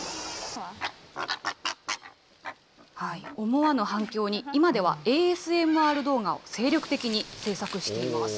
思わぬ反響に、今ではＡＳＭＲ動画を精力的に制作しています。